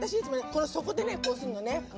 この底でねこうするのね。